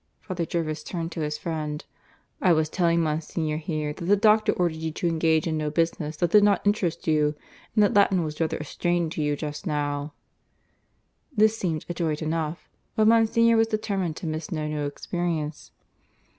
(Father Jervis turned to his friend.) "I was telling Monsignor here that the doctor ordered you to engage in no business that did not interest you; and that Latin was rather a strain to you just now " This seemed adroit enough. But Monsignor was determined to miss no new experience.